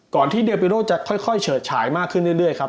ก่อนที่เดียวเบโรจะค่อยเฉิดฉายมากขึ้นเรื่อย